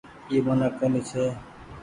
اي منک ڪونيٚ ڇي۔